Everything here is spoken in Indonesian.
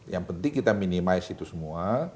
yang penting kita minimize itu semua